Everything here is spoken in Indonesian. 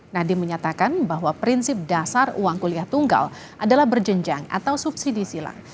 nadiem menyatakan bahwa prinsip dasar uang kuliah tunggal adalah berjenjang atau subsidi silang